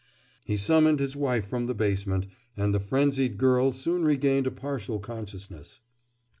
He summoned his wife from the basement, and the frenzied girl soon regained a partial consciousness.